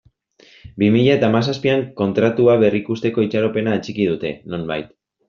Bi mila eta hamazazpian Kontratua berrikusteko itxaropena atxiki dute, nonbait.